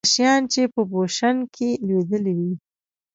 لکه شیام چې په بوشونګ کې لوبولی و.